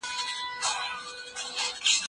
که موږ هڅه وکړو هېواد ابادیږي.